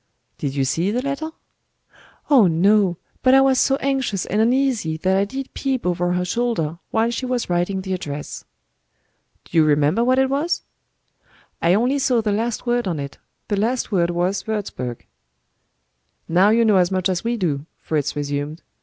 '" "Did you see the letter?" "Oh, no! But I was so anxious and uneasy that I did peep over her shoulder while she was writing the address." "Do you remember what it was?" "I only saw the last word on it. The last word was 'Wurzburg.'" "Now you know as much as we do," Fritz resumed.